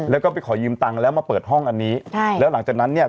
แล้วก็ไปขอยืมตังค์แล้วมาเปิดห้องอันนี้ใช่แล้วหลังจากนั้นเนี่ย